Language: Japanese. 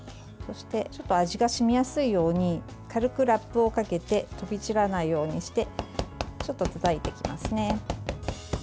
味が染みやすいように軽くラップをかけて飛び散らないようにしてちょっとたたいていきますね。